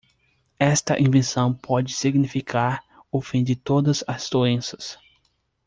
Esta invenção pode significar o fim de todas as doenças.